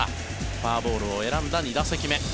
フォアボールを選んだ２打席目。